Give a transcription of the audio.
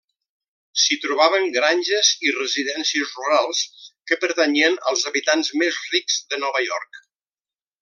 S'hi trobaven granges i residències rurals que pertanyien als habitants més rics de Nova York.